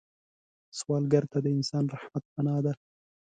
سوالګر ته د انسان رحمت پناه ده